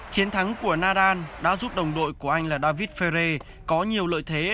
chiến thắng của nadan đã giúp đồng đội của anh là david ferre có nhiều lợi thế